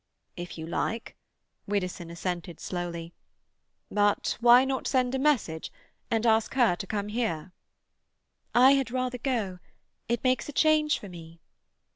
"If you like," Widdowson assented slowly. "But why not send a message, and ask her to come here?" "I had rather go. It makes a change for me."